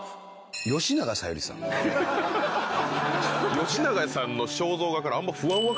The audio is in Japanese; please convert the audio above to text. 吉永さんの肖像画からあんま。